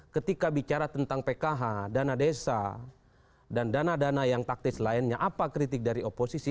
ketika bicara tentang pkh dana desa dan dana dana yang taktis lainnya apa kritik dari oposisi